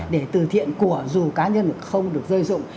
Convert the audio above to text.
để từ thiện của dù cá nhân không được rơi rụng